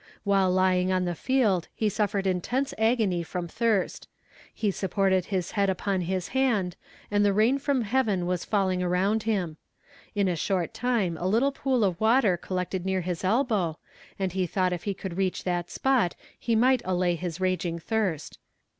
While lying on the field he suffered intense agony from thirst. He supported his head upon his hand, and the rain from heaven was falling around him. In a short time a little pool of water collected near his elbow, and he thought if he could reach that spot he might allay his raging thirst.